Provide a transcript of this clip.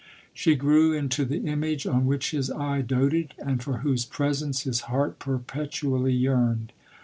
She grew into the image on which his eye doated, and for whose presence his heart perpetually yearned.